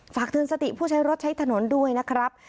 ฝากเตือนสติผู้ใช้รถใช้ถนนด้วยนะครับ